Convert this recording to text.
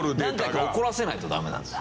何回か怒らせないとダメなんですね。